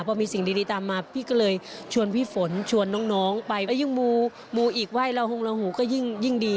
พอมีสิ่งดีตามมาพี่ก็เลยชวนพี่ฝนชวนน้องไปแล้วยิ่งมูอีกไหว้ละหงละหูก็ยิ่งดี